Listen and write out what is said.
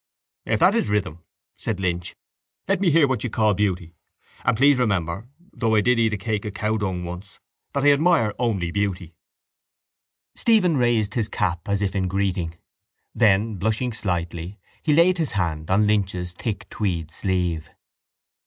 —If that is rhythm, said Lynch, let me hear what you call beauty; and, please remember, though I did eat a cake of cowdung once, that I admire only beauty. Stephen raised his cap as if in greeting. Then, blushing slightly, he laid his hand on Lynch's thick tweed sleeve.